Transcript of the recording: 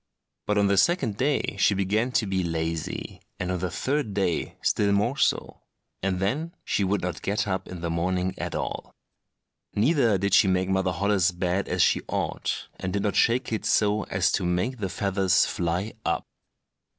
But on the second day she began to be lazy, and on the third day still more so, and then she would not get up in the morning at all. Neither did she make Mother Holle's bed as she ought, and did not shake it so as to make the feathers fly up.